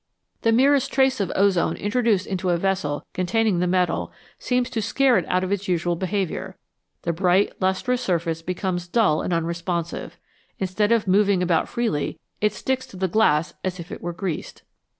The merest trace of ozone introduced into a vessel containing the metal seems to scare it out of its usual behaviour ; the bright, lustrous surface becomes dull and unresponsive ; instead of moving about freely, it sticks to the glass as if it were greased.